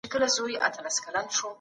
د خولې خوند هم بدلولی شي.